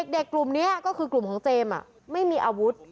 เด็กกลุ่มนี้ก็คือกลุ่มของเจมส์ไม่มีอาวุธ